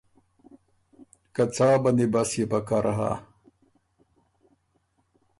که څا بندی بست يې پکر هۀ۔